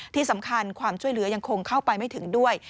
ที่สำคัญความช่วยเหลือยังคงเข้าไปไม่ถึงด้วย